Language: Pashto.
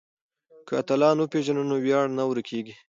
که اتلان وپېژنو نو ویاړ نه ورکيږي.